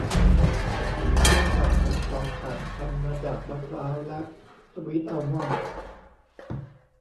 ยาสระผมของฉันทำมาจากมะพร้าวและสวีทอัลมอนด์